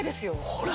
ほら。